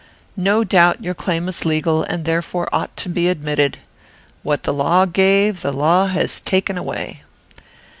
No doubt your claim is legal, and therefore ought to be admitted. What the law gave, the law has taken away.